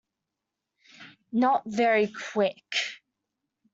Not very Quick.